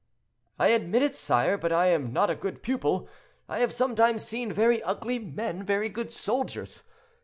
"I admit it, sire, but I am not a good pupil. I have sometimes seen very ugly men very good soldiers.